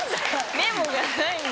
メモがないんです。